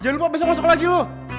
jangan lupa besok masuk ke lagi lo